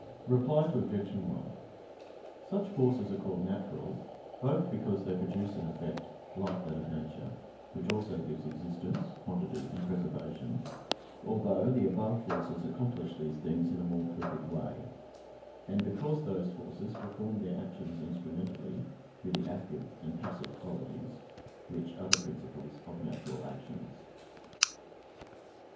Reply Obj. 1: Such forces are called natural, both because they produce an effect like that of nature, which also gives existence, quantity and preservation (although the above forces accomplish these things in a more perfect way); and because those forces perform their actions instrumentally, through the active and passive qualities, which are the principles of natural actions.